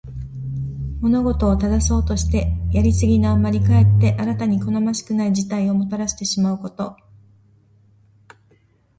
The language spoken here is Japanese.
物事を正そうとして、やりすぎのあまりかえって新たに好ましくない事態をもたらしてしまうこと。「枉れるを矯めて直きに過ぐ」とも読む。